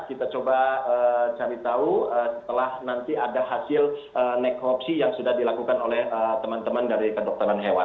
kita coba cari tahu setelah nanti ada hasil nekropsi yang sudah dilakukan oleh teman teman dari kedokteran hewan